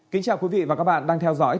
kính chào quý vị và các bạn đang theo dõi